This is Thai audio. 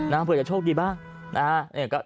น้ำเผื่อจะโชคดีบ้าง